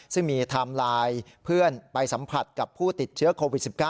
ซึ่งมีไทม์ไลน์เพื่อนไปสัมผัสกับผู้ติดเชื้อโควิด๑๙